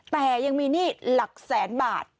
แต่ยังมีหนี้หลักแสนบาท